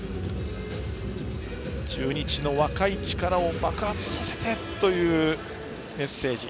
中日の若い力を爆発させてというメッセージ。